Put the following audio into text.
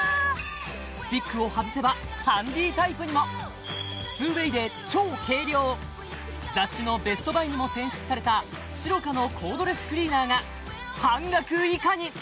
スティックを外せばハンディタイプにも２ｗａｙで超軽量雑誌のベストバイにも選出されたシロカのコードレスクリーナーが半額以下に！